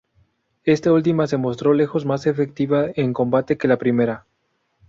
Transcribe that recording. Esta última se mostró lejos más efectiva en combate que la primera.